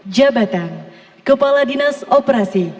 jabatan kepala dinas operasi